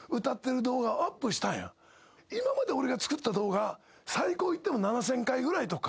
今まで俺が作った動画最高いっても７，０００回ぐらいとか。